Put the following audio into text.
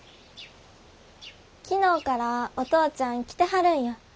昨日からお父ちゃん来てはるんよ。